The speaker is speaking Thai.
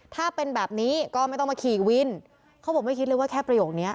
ถ้าเป็นแบบนี้ก็ไม่ต้องมาขี่วินเขาบอกไม่คิดเลยว่าแค่ประโยคนี้